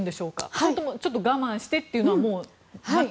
それともちょっと我慢してというのはなく？